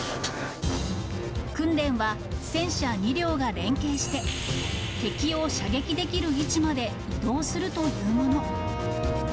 訓練は戦車２両が連携して、敵を射撃できる位置まで移動するというもの。